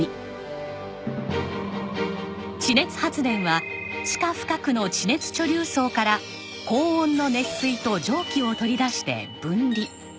地熱発電は地下深くの地熱貯留層から高温の熱水と蒸気を取り出して分離。